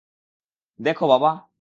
দেখো, বাবা।